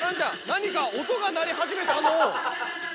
何か音が鳴り始めたのう。